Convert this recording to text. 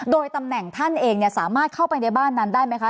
โดยตำแหน่งท่านเองสามารถเข้าไปในบ้านนั้นได้ไหมคะ